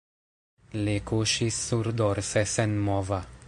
Li kuŝis surdorse senmova.